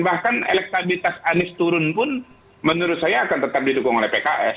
bahkan elektabilitas anies turun pun menurut saya akan tetap didukung oleh pks